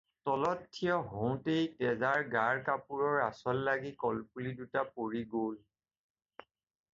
তলত থিয় হওঁতেই তেজাৰ গাৰ কাপোৰৰ আঁচল লাগি কলপুলি দুটা পৰি গ'ল।